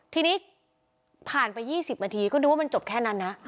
ทีนี้ผ่านไป๒๐นาทีก็ดูว่ามันจบแค่นั้นนะ